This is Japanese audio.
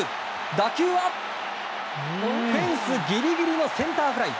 打球はフェンスギリギリのセンターフライ。